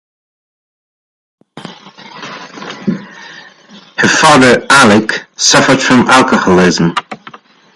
Her father, Alick, suffered from alcoholism.